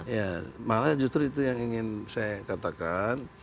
ya malah justru itu yang ingin saya katakan